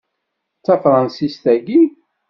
D tafṛansist tagi?